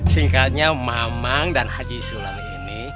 singkatnya mamang dan haji sulan ini